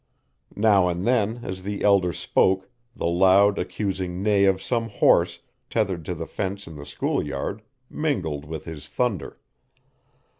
Now and then as the elder spoke the loud, accusing neigh of some horse, tethered to the fence in the schoolyard, mingled with his thunder.